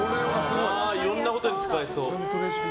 いろいろなことに使えそう。